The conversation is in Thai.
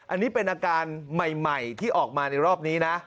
อันนี้เป็นอาการใหม่ที่ออกมาในรอบนี้นะ